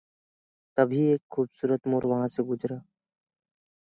His victory was considered an early test of the Byrd Organization.